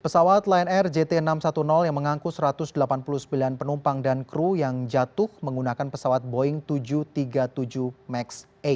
pesawat lion air jt enam ratus sepuluh yang mengangkut satu ratus delapan puluh sembilan penumpang dan kru yang jatuh menggunakan pesawat boeing tujuh ratus tiga puluh tujuh max delapan